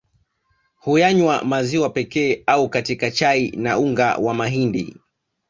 Huyanywa maziwa pekee au katika chai na unga wa mahindi